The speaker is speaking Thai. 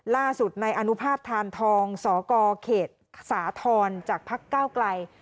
ล่าสุดในอนุภาพธานทองสกเขตสาธรณ์จากพักเก้าไกล